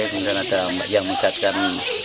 kemudian ada yang megatkan